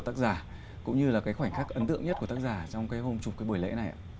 tác giả cũng như là cái khoảnh khắc ấn tượng nhất của tác giả trong cái hôm chụp cái buổi lễ này ạ